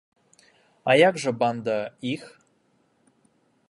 А як жа банда іх?